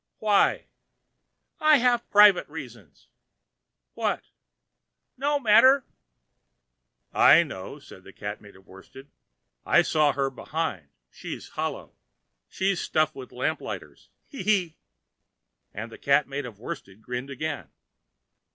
"Why?" "I have private reasons." "What?" "No matter." "I know," said the Cat made of worsted. "I saw her behind. She's hollow. She's stuffed with lamp lighters. He! he!" and the Cat made of worsted grinned again.